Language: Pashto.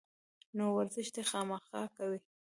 نو ورزش دې خامخا کوي